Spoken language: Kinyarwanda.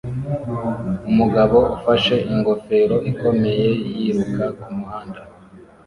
Umugabo ufashe ingofero ikomeye yiruka kumuhanda